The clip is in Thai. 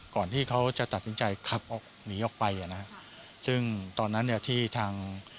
ก่อนที่เขาจะตัดสินใจขับออกหนีออกไปอ่ะนะฮะซึ่งตอนนั้นเนี่ยที่ทาง